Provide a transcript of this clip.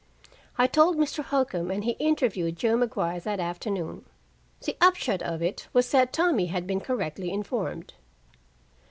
I told Mr. Holcombe, and he interviewed Joe Maguire that afternoon. The upshot of it was that Tommy had been correctly informed.